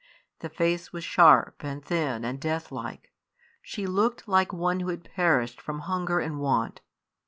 The face was sharp and thin and death like; she looked like one who had perished from hunger and want.